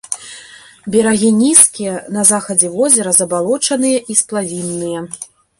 Берагі нізкія, на захадзе возера забалочаныя і сплавінныя.